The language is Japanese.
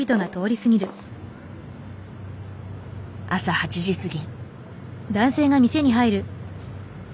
朝８時過ぎ。